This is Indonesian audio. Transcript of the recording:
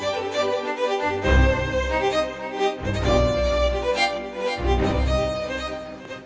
tante frozen rumahnya om acan